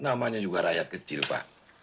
namanya juga rakyat kecil pak